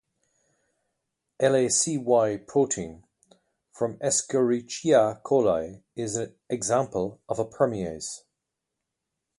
LacY protein from Escgerichia coli is example of a permease.